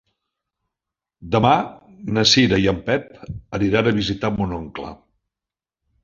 Demà na Cira i en Pep aniran a visitar mon oncle.